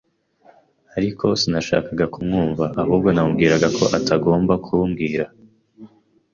Ariko sinashakaga kumwumva, ahubwo namubwiraga ko atagomba kumbwira